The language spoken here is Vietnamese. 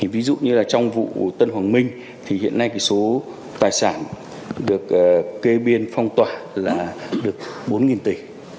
ví dụ như trong vụ tân hoàng minh hiện nay số tài sản được cây biên phong tỏa là bốn tỷ